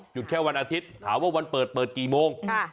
แค่วันอาทิตย์ถามว่าวันเปิดเปิดกี่โมง